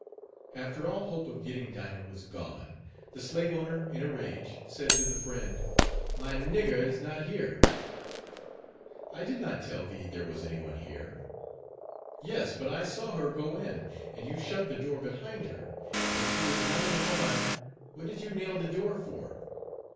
After all hope of getting Dinah was gone, the slave owner in a rage, said to the Friend, "My Nigger is not here." "I did not tell thee there was any one here." "Yes, but I saw her go in, and you shut the door behind her, and if she was not in the barn, what did you nail the door for?"